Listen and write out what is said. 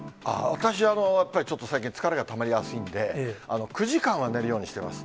私はやっぱりちょっと最近疲れがたまりやすいんで、９時間は寝るようにしています。